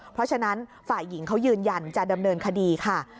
เพราะฉะนั้นฝ่ายหญิงเขายืนยันจะดำเนินคดีค่ะ